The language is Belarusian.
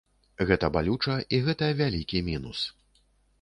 Гэта балюча і гэта вялікі мінус.